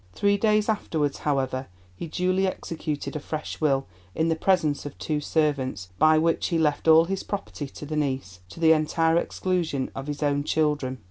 Three days afterwards, however, he duly executed a fresh will, in the presence of two servants, by which he left all his property to the niece, to the entire exclusion of his own children.